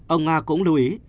ông nga cũng lưu ý